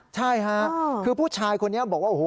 ใช่ค่ะคือผู้ชายคนนี้บอกว่าโอ้โห